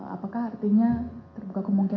apakah artinya terbuka kemungkinan